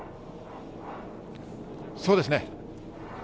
そうですね。